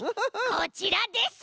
こちらです！